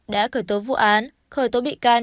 đã khởi tố vụ án khởi tố bị can